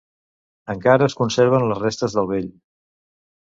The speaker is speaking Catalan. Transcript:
Encara es conserven les restes del vell.